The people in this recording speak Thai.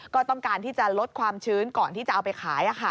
ก็ต้องการที่จะลดความชื้นก่อนที่จะเอาไปขาย